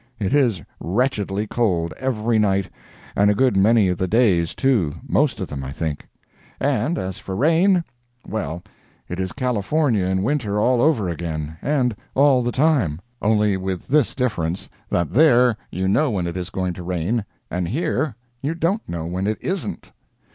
It is wretchedly cold every night, and a good many of the days, too—most of them, I think. And, as for rain—well, it is California in winter all over again, and all the time; only with this difference, that there you know when it is going to rain, and here you don't know when it isn't.